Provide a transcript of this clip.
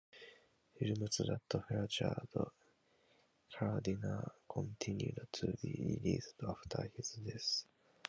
Films that featured Carradine continued to be released after his death.